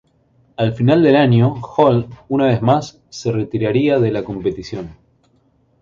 Al final del año, Hall, una vez más se retiraría de la competición.